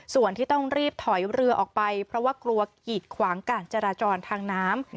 ส่วนที่ต้องรีบถอยเรือออกไปเพราะว่ากลัวกีดขวางการจราจรทางน้ำ